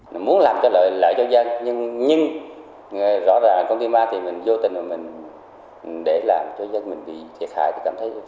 mình muốn làm cho lợi cho dân nhưng rõ ràng công ty ma thì mình vô tình để làm cho dân mình bị thiệt hại